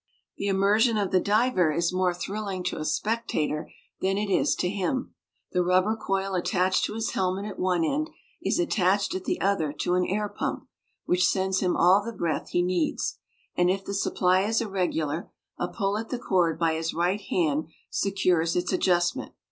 The immersion of the diver is more thrilling to a spectator than it is to him. The rubber coil attached to his helmet at one end is attached at the other to an air pump, which sends him all the breath he needs, and if the supply is irregular, a pull at the cord by his right hand secures its adjustment.